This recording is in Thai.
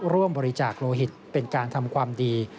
ร่วมบริจาคโลหิตเป็นการทำความดี